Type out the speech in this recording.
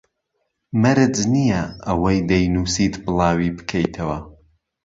مەرج نییە ئەوەی دەینووسیت بڵاوی بکەیتەوە